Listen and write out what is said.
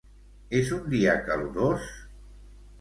És un dia calorós?